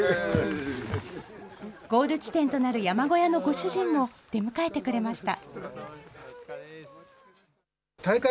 ゴール地点となる山小屋のご主人も、出迎えてくれました。